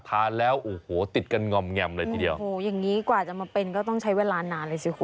ทานแล้วโอ้โหติดกันง่อมแงมเลยทีเดียวโอ้โหอย่างงี้กว่าจะมาเป็นก็ต้องใช้เวลานานเลยสิคุณ